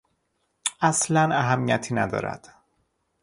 اصلا اهمیتی ندارد.